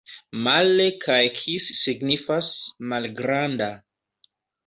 Male kaj kis signifas: malgranda.